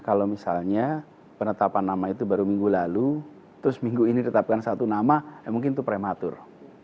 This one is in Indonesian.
kalau misalnya penetapan nama itu baru minggu lalu terus minggu ini ditetapkan satu nama ya mungkin itu prematur